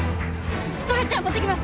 ストレッチャー持ってきます！